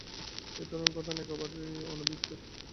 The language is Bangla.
এ ধরনের ঘটনা একেবারেই অনভিপ্রেত।